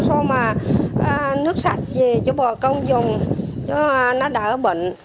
xong mà nước sạch về cho bò công dùng cho nó đỡ bệnh